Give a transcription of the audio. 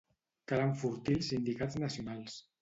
Cal enfortir els sindicats nacionals.